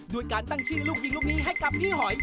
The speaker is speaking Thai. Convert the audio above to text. ด้วยการตั้งชื่อลูกยิงลูกนี้ให้กับพี่หอย